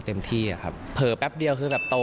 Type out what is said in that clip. เต็มที่อะครับเผลอแป๊บเดียวคือแบบโต